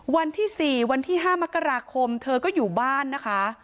วันที่๔วันที่๕มกราคมเธอก็อยู่บ้านนะคะ